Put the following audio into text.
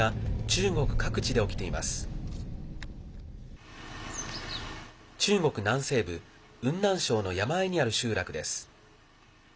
中国南西部雲南省の山あいにある集落です。